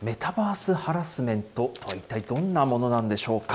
メタバース・ハラスメントとは、一体どんなものなんでしょうか。